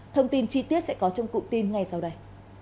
thông tin chi tiết sẽ có trong cụm tin ngay sau đây